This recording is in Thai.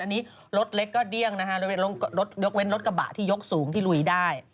อันนี้รถเล็กก็เดี้ยงนะคะยกเว้นรถกระบะที่ยกสูงที่ลุยได้